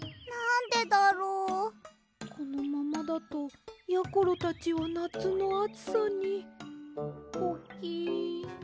このままだとやころたちはなつのあつさにポキン！